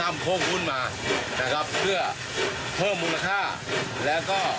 มันก็จะเหมือนเหมือนเขา